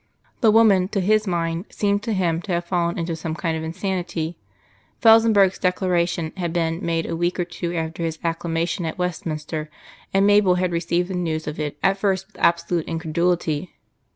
The woman to his mind seemed to him to have fallen into some kind of insanity. Felsenburgh's declaration had been made a week or two after his Acclamation at Westminster, and Mabel had received the news of it at first with absolute incredulity.